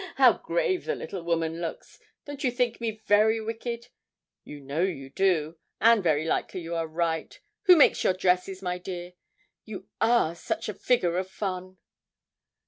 how grave the little woman looks! Don't you think me very wicked? You know you do; and very likely you are right. Who makes your dresses, my dear? You are such a figure of fun!'